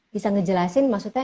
bisa ngejelasin maksudnya